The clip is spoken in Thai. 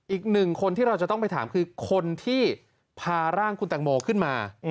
อีกหนึ่งคนที่เราจะต้องไปถามคือคนที่พาร่างคุณตังโมขึ้นมา